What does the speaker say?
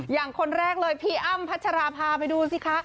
อย่างคนแรกเลยพี่อ้ำพัชราภาไปดูสิคะ